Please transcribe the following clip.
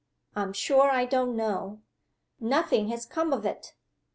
"I'm sure I don't know." "Nothing has come of it!"